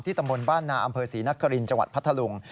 ที่ตำบลบ้านนาอำเภอศรีนักกะลินจังหวัดพัทธลุง